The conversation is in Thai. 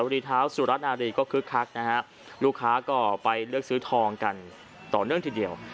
และวีดีท้าวสุรรัสนาฬิก็คือคลักนะครับลูกค้าก็ไปเลือกซื้อทองกันต่อเนื่องทีเดียว